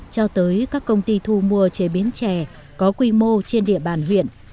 cho tới các công ty thu mua chế biến chè có quy mô trên địa bàn huyện